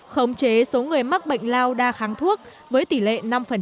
khống chế số người mắc bệnh lao đa kháng thuốc với tỷ lệ năm